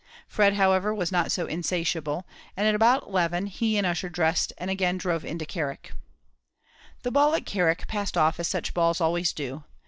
Fred, however, was not so insatiable, and at about eleven he and Ussher dressed and again drove into Carrick. The ball at Carrick passed off as such balls always do.